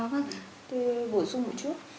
vâng tôi bổ sung một chút